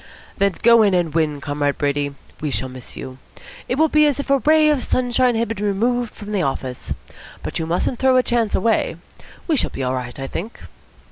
"Then go in and win, Comrade Brady. We shall miss you. It will be as if a ray of sunshine had been removed from the office. But you mustn't throw a chance away. We shall be all right, I think."